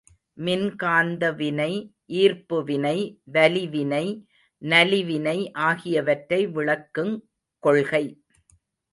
மின்காந்தவினை, ஈர்ப்புவினை, வலிவினை, நலிவினை ஆகியவற்றை விளக்குங் கொள்கை.